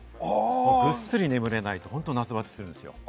ぐっすり眠れないと、本当に夏バテするんですよ。